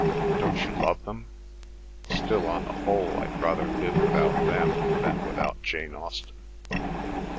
Don't you love them? Still, on the whole, I'd rather live without them than without Jane Austen."